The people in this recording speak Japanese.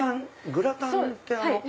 グラタンってあの。